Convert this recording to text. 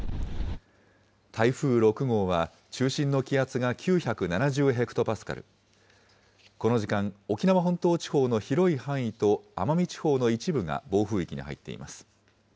台風６号は、中心の気圧が９７０ヘクトパスカル、この時間、沖縄本島地方の広い範囲と奄美地方の一部が暴風域に入っています。